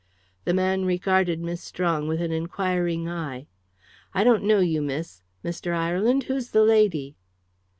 The man regarded Miss Strong with an inquiring eye. "I don't know you, miss. Mr. Ireland, who's the lady?"